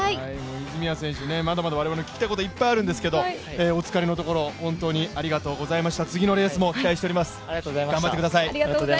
泉谷選手、まだまだ我々聞きたいこといっぱいあるんですけどお疲れのところ本当にありがとうございました。